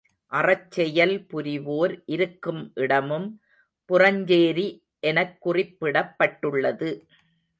அறச்செயல் புரிவோர் இருக்கும் இடமும் புறஞ்சேரி எனக் குறிப்பிடப்பட்டுள்ளது.